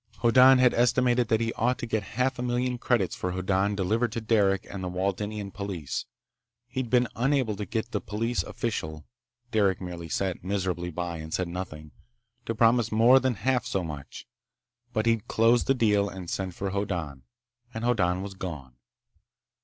Hoddan had estimated that he ought to get a half million credits for Hoddan delivered to Derec and the Waldenian police. He'd been unable to get the police official—Derec merely sat miserably by and said nothing—to promise more than half so much. But he'd closed the deal and sent for Hoddan—and Hoddan was gone.